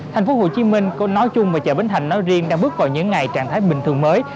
thành phố hồ chí minh có nói chung và chợ bến thành nói riêng đang bước vào những ngày trạng thái bình thường mới